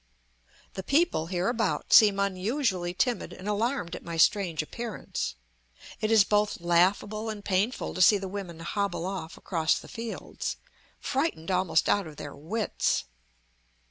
The people hereabout seem unusually timid and alarmed at my strange appearance; it is both laughable and painful to see the women hobble off across the fields, frightened almost out of their wits.